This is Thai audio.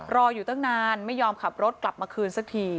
รออยู่ตั้งนานไม่ยอมขับรถกลับมาคืนสักที